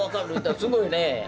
すごいね。